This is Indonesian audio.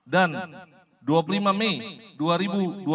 dan dua puluh lima mei dua ribu dua puluh empat